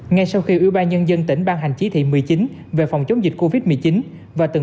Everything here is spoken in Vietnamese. ngay sau khi ủy ban nhân dân tỉnh ban hành chí thị một mươi chín về phòng chống dịch cô viết một mươi chín và từng